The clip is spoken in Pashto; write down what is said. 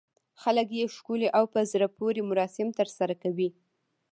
خلک یې ښکلي او په زړه پورې مراسم ترسره کوي.